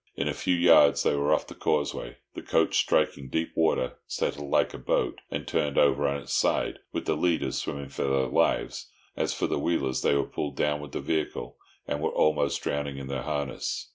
In a few yards they were off the causeway; the coach, striking deep water, settled like a boat, and turned over on its side, with the leaders swimming for their lives. As for the wheelers, they were pulled down with the vehicle, and were almost drowning in their harness.